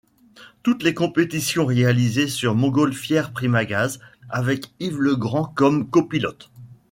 Toutes les compétitions réalisées sur montgolfière Primagaz avec Yves Legrand comme copilote.